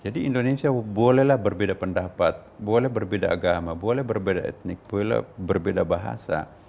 jadi indonesia bolehlah berbeda pendapat boleh berbeda agama boleh berbeda etnik boleh berbeda bahasa